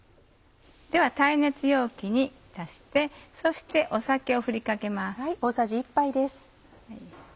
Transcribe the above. では耐熱容器に足してそして酒を振りかけます。